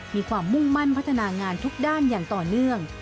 มีความมุ่งมั่นพัฒนางานทุกด้านอย่างต่อเนื่อง